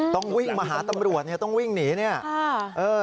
ต้องวิ่งมาหาตำรวจต้องวิ่งหนีนี่